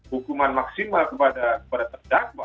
hukuman maksimal kepada terdakwa